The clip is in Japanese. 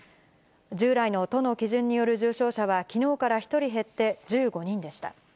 従来の都の基準による重症者は、きのうから１人減って１５人でした。